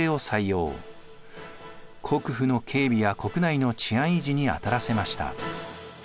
国府の警備や国内の治安維持に当たらせました。